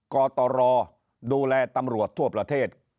กตรดูแลตำรวจทั่วประเทศ